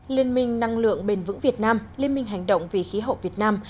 liên minh năng lượng bền vững việt nam liên minh hành động vì khí hậu việt nam